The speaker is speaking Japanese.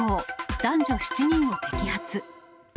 男女７人を摘発。